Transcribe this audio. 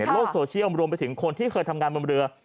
โลกโซเชียลรวมไปถึงคนที่เคยทำงานบนเรือ